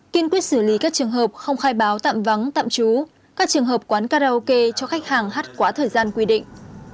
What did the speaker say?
kiên quyết xử lý các trường hợp không khai báo tạm vắng tạm trú các trường hợp quán karaoke cho khách hàng hát quá thời gian quy định